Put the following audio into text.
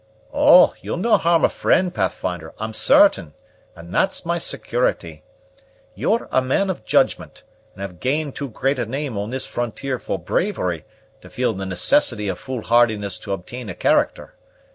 "Oh, you'll no' harm a friend, Pathfinder, I'm certain; and that's my security. You're a man of judgment, and have gained too great a name on this frontier for bravery to feel the necessity of foolhardiness to obtain a character.